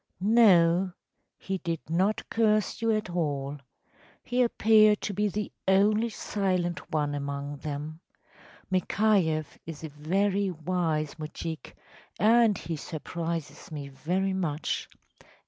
‚ÄĚ “No; he did not curse you at all. He appeared to be the only silent one among them. Mikhayeff is a very wise moujik, and he surprises me very much.